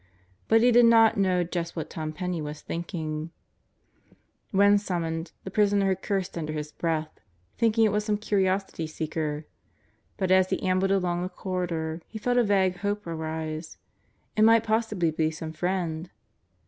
But he did not know just what Tom Penney was thinking. "Most Likely I'll Burn" 25 When summoned, the prisoner had cursed under his breath, thinking it was some curiosity seeker; but as he ambled along the corridor he felt a vague hope arise; it might possibly be some friend.